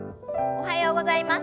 おはようございます。